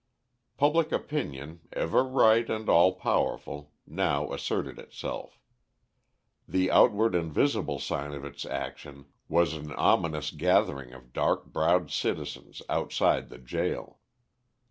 Public opinion, ever right and all powerful, now asserted itself. The outward and visible sign of its action was an ominous gathering of dark browed citizens outside the gaol.